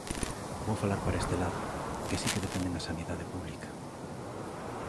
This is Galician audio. Vou falar para este lado, que si que defenden a sanidade pública.